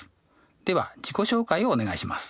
では自己紹介をお願いします。